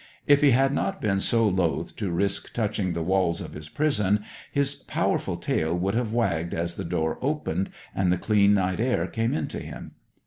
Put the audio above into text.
If he had not been so loath to risk touching the walls of his prison, his powerful tail would have wagged as the door opened and the clean night air came in to him.